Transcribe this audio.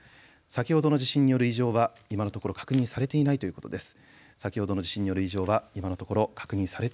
先ほどの地震による異常は今のところ確認されていないということです。